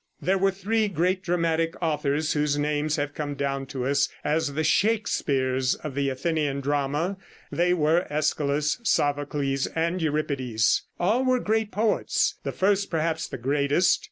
There were three great dramatic authors whose names have come down to us as the Shakespeares of the Athenian drama. They were Æschylus, Sophocles and Euripides. All were great poets, the first perhaps the greatest.